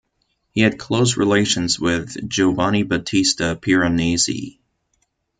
He had close relations with Giovanni Battista Piranesi.